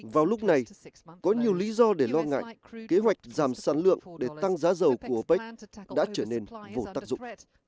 vào lúc này có nhiều lý do để lo ngại kế hoạch giảm sản lượng để tăng giá dầu của opec đã trở nên vô tác dụng